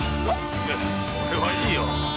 いや俺はいいよ。